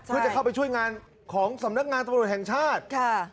เพื่อจะเข้าไปช่วยงานของสำนักงานตำรวจแห่งชาติ